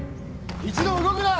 一同動くな！